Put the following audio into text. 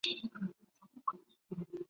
该剪辑版与原版比起评价较佳。